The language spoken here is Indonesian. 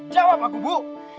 jawab aku bu